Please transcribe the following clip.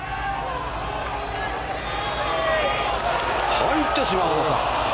入ってしまうのか。